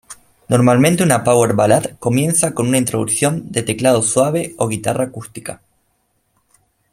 Normalmente, una "power ballad" comienza con una introducción de teclado suave o guitarra acústica.